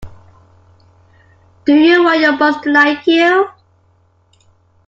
Do you want your boss to like you?